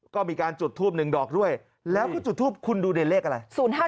ก็มีการจุดทูบ๑ดอกด้วยแล้วก็จุดทูปคุณดูในเลขอะไร